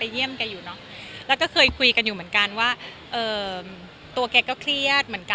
เดี๋ยวลงมาถามคุณพ่อก่อนคุณแม่คุยแปปนึง